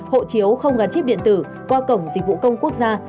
hộ chiếu không gắn chip điện tử qua cổng dịch vụ công quốc gia